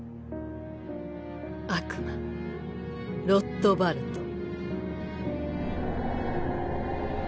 悪魔ロットバルト。